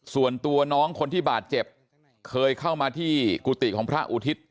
ส่วนตัวน้องคนที่บาดเจ็บเคยเข้ามาที่กุฏิของพระอุทิศ